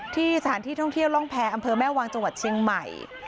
สถานที่ท่องเที่ยวร่องแพรอำเภอแม่วางจังหวัดเชียงใหม่